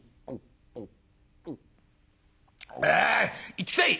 「行ってきたい！」。